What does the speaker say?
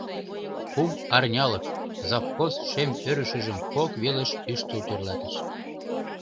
— Кум арнялык! — завхоз шем ӧрышыжым кок велыш ӱштыл тӧрлатыш.